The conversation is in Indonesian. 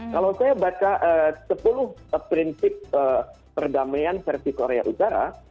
kalau saya baca sepuluh prinsip perdamaian versi korea utara